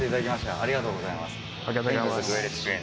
ありがとうございます。